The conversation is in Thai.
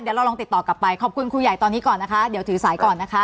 เดี๋ยวเราลองติดต่อกลับไปขอบคุณครูใหญ่ตอนนี้ก่อนนะคะเดี๋ยวถือสายก่อนนะคะ